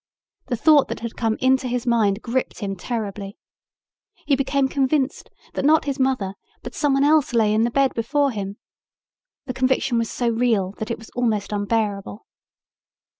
The thought that had come into his mind gripped him terribly. He became convinced that not his mother but someone else lay in the bed before him. The conviction was so real that it was almost unbearable.